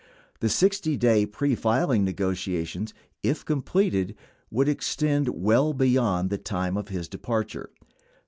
The 60 day prefiling negotiations, if completed, would extend well beyond the time of his departure.